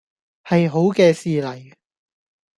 係好嘅事嚟